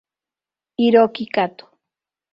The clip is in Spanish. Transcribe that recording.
Hiroki Kato